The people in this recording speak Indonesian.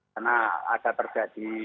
karena ada terjadi